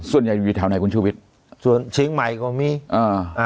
ส่วนใหญ่อยู่ช่องไหนคุณชูวิชส่วนเฉียงใหม่ก็มีอ่า